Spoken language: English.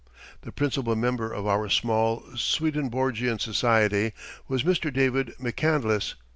The principal member of our small Swedenborgian Society was Mr. David McCandless.